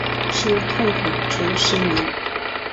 是痛苦之呻吟？